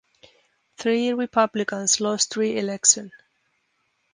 Three Republicans lost re-election.